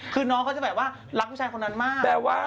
คือน้องเขาจะแบบว่ารักผู้ชายคนนั้นมากแปลว่า